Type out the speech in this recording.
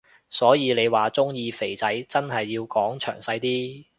所以你話鍾意肥仔真係要講詳細啲